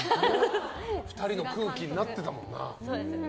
２人の空気になってたもんな。